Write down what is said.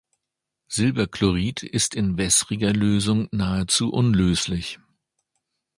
Silberchlorid ist in wässriger Lösung nahezu unlöslich.